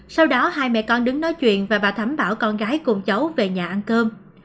sau đó hai mẹ con đứng nói chuyện và bà thắm bảo con gái cùng cháu về nhà ăn cơm